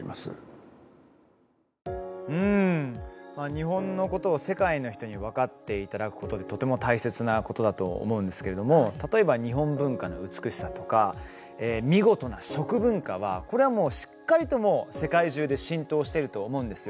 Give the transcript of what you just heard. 日本のことを世界の人に分かっていただくことってとても大切なことだと思うんですけれども例えば日本文化の美しさとか見事な食文化はこれはしっかりと世界中で浸透してると思うんです。